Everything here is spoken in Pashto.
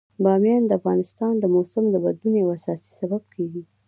بامیان د افغانستان د موسم د بدلون یو اساسي سبب کېږي.